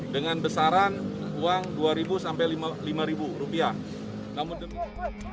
dengan besaran uang dua sampai lima rupiah